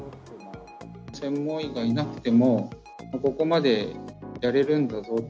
専門医がいなくても、ここまでやれるんだぞと。